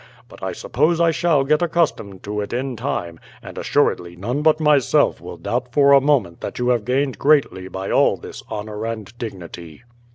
But I suppose I shall get accustomed to it in time, and assuredly none but myself will doubt for a moment that you have gained greatly by all this honour and dignity."